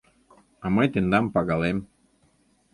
А мый тендам пагалем.